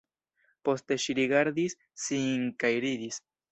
Poste ŝi rigardis sin kaj ridis.